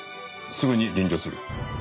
すぐに臨場する。